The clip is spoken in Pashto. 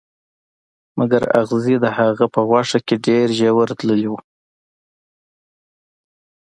مګر اغزي د هغه په غوښه کې ډیر ژور تللي وو